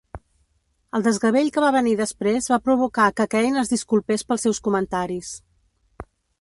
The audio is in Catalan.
El desgavell que va venir després va provocar que Kahne es disculpés pels seus comentaris.